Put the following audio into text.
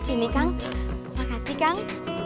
ini kang makasih kang